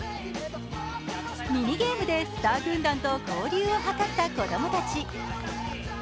ミニゲームでスター軍団と交流を図った子供たち。